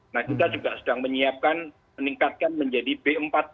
nah kita juga sedang menyiapkan meningkatkan menjadi b empat puluh